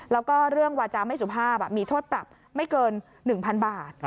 แล้วก็เรื่องวาจาไม่สุภาพมีโทษปรับไม่เกิน๑๐๐๐บาท